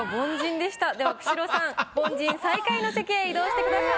では久代さん凡人最下位の席へ移動してください。